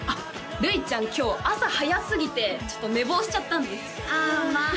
ルイちゃん今日朝早すぎてちょっと寝坊しちゃったんですあ